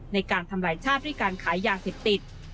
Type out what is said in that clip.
ในการทำลายชาติด้วยการขายยาเสพติด